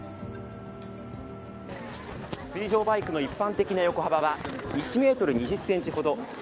水上バイクの一般的な横幅は１ｍ２０ｃｍほど。